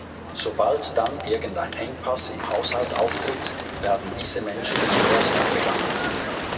Sobald dann irgendein Engpass im Haushalt auftritt, werden diese Menschen zuerst angegangen.